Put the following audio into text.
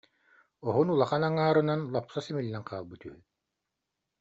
оһун улахан аҥаарынан лапса симиллэн хаалбыт үһү